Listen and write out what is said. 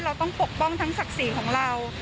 เราต้องปกป้องทั้งศักดิ์ศรีของเรา